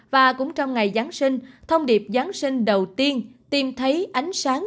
và cũng trong ngày giáng sinh thông điệp giáng sinh đầu tiên tìm thấy ánh sáng